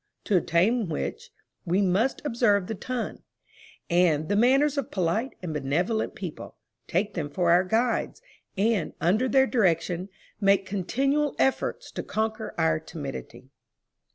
To obtain which, we most observe the ton, and the manners of polite and benevolent people, take them for our guides, and, under their direction, make continual efforts to conquer our timidity.